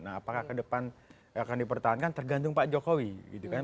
nah apakah ke depan akan dipertahankan tergantung pak jokowi gitu kan